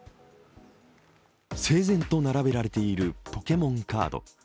整然と並べられているポケモンカード。